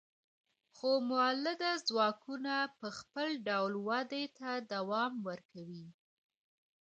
خو مؤلده ځواکونه په خپل ډول ودې ته دوام ورکوي.